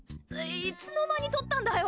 いつの間に撮ったんだよ。